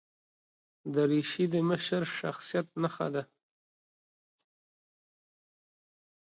دریشي د مشر شخصیت نښه ده.